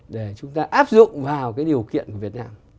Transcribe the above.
để chúng ta áp dụng vào cái điều kiện của việt nam